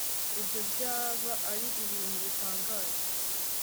ibyo byaba ari ibintu bitangaje